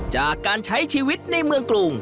จากการใช้ชีวิตในเมืองกรุง